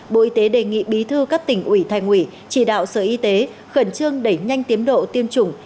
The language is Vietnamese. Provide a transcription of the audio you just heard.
bộ y tế đề nghị bí thư các tỉnh ủy thành ủy chỉ đạo sở y tế khẩn trương đẩy nhanh tiến độ tiêm chủng